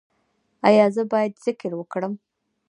ایا زه باید ذکر وکړم؟